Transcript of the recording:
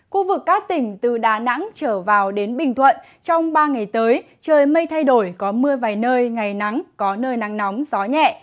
khu vực các tỉnh từ đà nẵng trở vào đến bình thuận trong ba ngày tới trời mây thay đổi có mưa vài nơi ngày nắng có nơi nắng nóng gió nhẹ